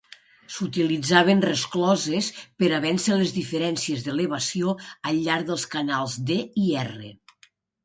S'utilitzaven rescloses per a vèncer les diferències d'elevació al llarg dels canals D i R.